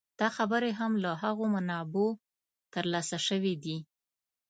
دا خبرې هم له هماغو منابعو تر لاسه شوې دي.